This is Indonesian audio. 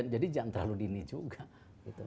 jadi jangan terlalu dini juga gitu